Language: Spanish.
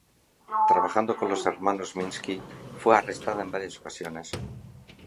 Trabajando con los hermanos Minsky fue arrestada en varias ocasiones.